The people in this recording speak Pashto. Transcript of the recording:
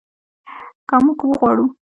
که موږ وغواړو.